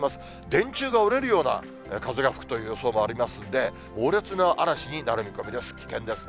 電柱が折れるような風が吹くという予想もありますんで、猛烈な嵐になる見込みです。